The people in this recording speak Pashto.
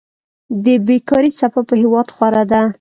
د بيکاري څپه په هېواد خوره ده.